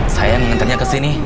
saya mengantarnya ke sini